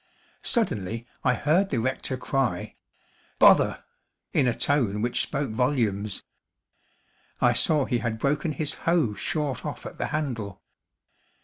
Suddenly I heard the rector cry, "Bother!" in a tone which spoke volumes. I saw he had broken his hoe short off at the handle.